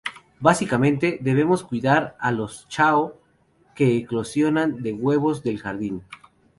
Básicamente, debemos cuidar a los Chao que eclosionan de los huevos del jardín.